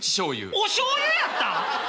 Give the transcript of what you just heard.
おしょうゆやった？